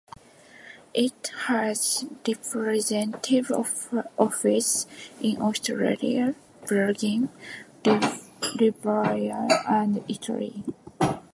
It has representative offices in Australia, Belgium, Libya and Italy.